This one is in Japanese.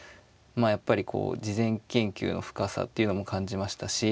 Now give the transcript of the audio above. やっぱりこう事前研究の深さっていうのも感じましたし